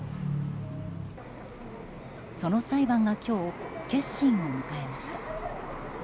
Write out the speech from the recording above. その裁判が今日結審を迎えました。